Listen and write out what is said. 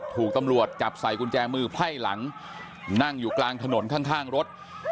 ถูกตำรวจจับใส่กุญแจมือไพ่หลังนั่งอยู่กลางถนนข้างรถ